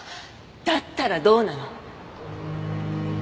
だったらどうなの？